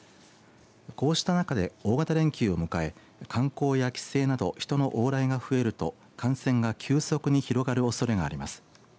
こうした中で、大型連休を迎え観光や帰省など人の往来が増えると感染が急速に広がるおそれがあります。